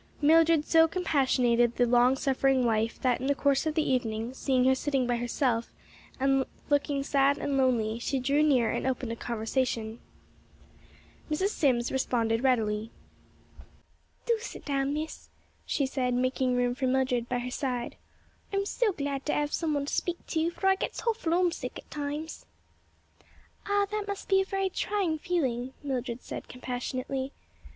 Mildred so compassionated the long suffering wife that, in the course of the evening, seeing her sitting by herself and looking sad and lonely, she drew near and opened a conversation. Mrs. Sims responded readily. "Do sit down, Miss," she said, making room for Mildred by her side, "I'm so glad to 'ave some one to speak to, for I gets hawful 'omesick at times." "Ah, that must be a very trying feeling," Mildred said compassionately.